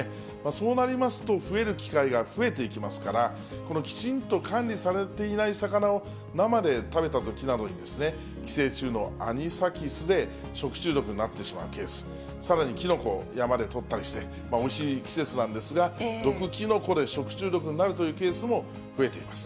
そうなりますと、増える機会が増えていきますから、きちんと管理されていない魚を生で食べたときなどに、寄生虫のアニサキスで食中毒になってしまうケース、さらにキノコ、山で採ったりしておいしい季節なんですが、毒キノコで食中毒になるというケースも増えています。